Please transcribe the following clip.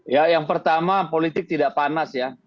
ya yang pertama politik tidak panas ya